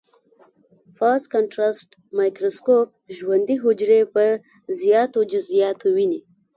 فاز کانټرسټ مایکروسکوپ ژوندۍ حجرې په زیاتو جزئیاتو ويني.